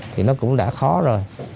thì nó cũng đã khó rồi